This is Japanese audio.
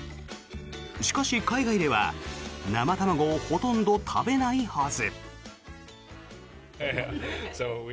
しかし、海外では生卵をほとんど食べないはず。